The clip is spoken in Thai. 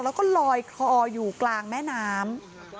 แล้วก็ลอยคลออยู่กลางแม่น้ำ